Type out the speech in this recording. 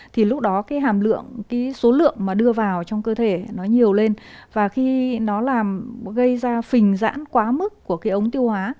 thì lúc đó cái hàm lượng cái số lượng mà đưa vào trong cơ thể nó nhiều lên và khi nó làm gây ra phình giãn quá mức của cái ống tiêu hóa